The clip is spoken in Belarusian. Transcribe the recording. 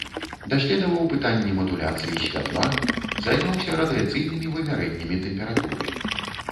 Даследаваў пытанні мадуляцыі святла, займаўся радыяцыйнымі вымярэннямі тэмпературы.